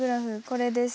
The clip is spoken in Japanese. これです。